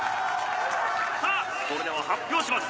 さぁそれでは発表します。